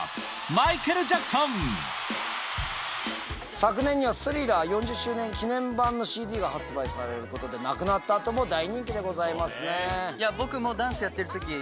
昨年『スリラー』４０周年記念盤のＣＤが発売されることで亡くなった後も大人気でございますね。